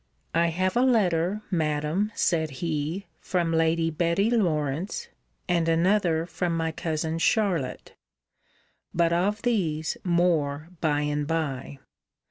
I have a letter, Madam, said he, from Lady Betty Lawrance, and another from my cousin Charlotte. But of these more by and by.